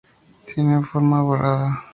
Tienen forma ovalada.